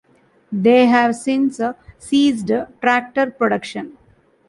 They have since ceased tractor production.